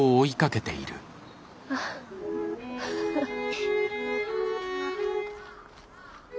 あっハハッ。